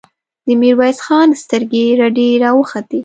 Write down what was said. د ميرويس خان سترګې رډې راوختې!